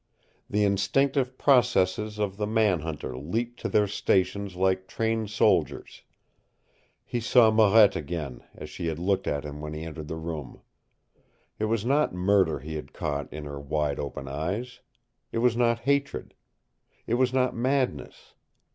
The instinctive processes of the man hunter leaped to their stations like trained soldiers. He saw Marette again, as she had looked at him when he entered the room. It was not murder he had caught in her wide open eyes. It was not hatred. It was not madness.